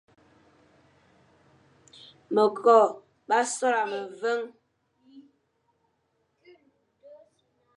Mekokh ma sola meveñ,